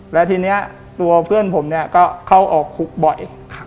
แล้วทีนี้ตัวเพื่อนผมเนี่ยก็เข้าออกคุกบ่อย